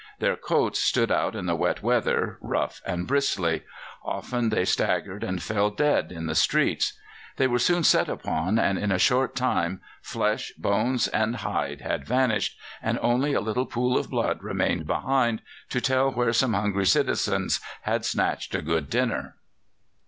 Their coats stood out in the wet weather rough and bristly; often they staggered and fell dead in the streets. They were soon set upon, and in a short time flesh, bones, and hide had vanished, and only a little pool of blood remained behind to tell where some hungry citizens had snatched a good dinner.